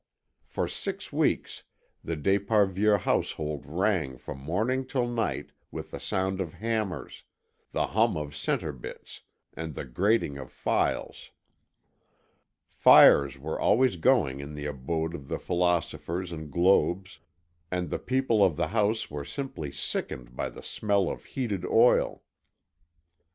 For six weeks the d'Esparvieu household rang from morning till night with the sound of hammers, the hum of centre bits, and the grating of files. Fires were always going in the abode of the philosophers and globes, and the people of the house were simply sickened by the smell of heated oil.